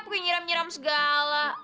pokoknya nyiram nyiram segala